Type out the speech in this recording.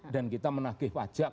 dan kita menageh pajak